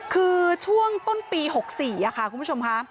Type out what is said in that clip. คือช่วงต้นปี๖๔ค่ะคุณผู้ชมค่ะ